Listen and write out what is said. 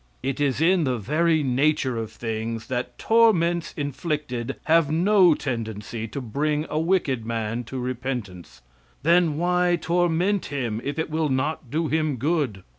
It is in the very nature of things that torments inflicted have no tendency to bring a wicked man to repentance. Then why torment him if it will not do him good?